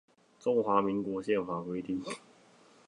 中華民國憲法規定